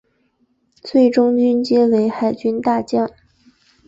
最终军阶为海军大将。